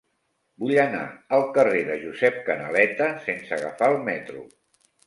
Vull anar al carrer de Josep Canaleta sense agafar el metro.